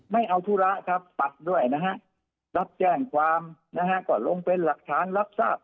ไม่เอาธุระครับปัดด้วยนะฮะรับแจ้งความนะฮะก็ลงเป็นหลักฐานรับทราบ